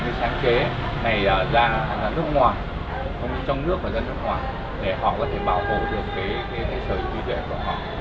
và làm sao chúng ta có thể giúp họ đăng ký được những sáng chế này ra nước ngoài không trong nước mà ra nước ngoài để họ có thể bảo hộ được cái sở trí tuệ của họ